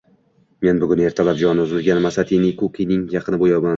Men bugun ertalab joni uzilgan Masatane Kukining yaqini bo`laman